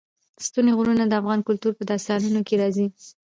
ستوني غرونه د افغان کلتور په داستانونو کې راځي.